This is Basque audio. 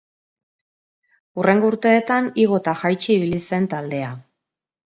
Hurrengo urteetan igo eta jaitsi ibili zen taldea.